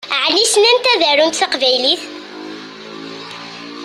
Ɛni ssnent ad arunt taqbaylit?